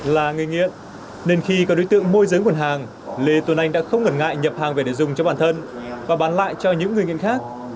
là người nghiện nên khi có đối tượng môi giới nguồn hàng lê tuấn anh đã không ngần ngại nhập hàng về để dùng cho bản thân và bán lại cho những người nghiện khác